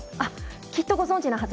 きっとご存じなはず。